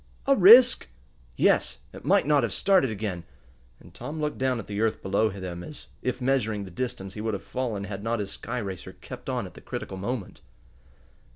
"A risk?" "Yes; it might not have started again," and Tom looked down at the earth below them, as if measuring the distance he would have fallen had not his sky racer kept on at the critical moment.